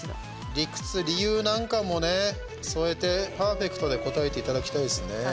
理屈、理由なんかも添えてパーフェクトで答えていただきたいですね。